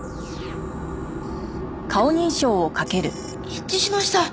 一致しました。